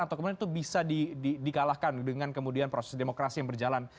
atau kemudian itu bisa dikalahkan dengan kemudian proses demokrasi yang berjalan